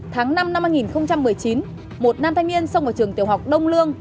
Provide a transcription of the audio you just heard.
tháng năm năm hai nghìn một mươi chín một nam thanh niên sông ở trường tiểu học đông lương